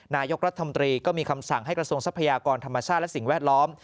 นายกรัฐมนตรีก็มีคำสั่งให้กระทรวงทรัพยากรธรรมชาติและสิ่งแวดล้อม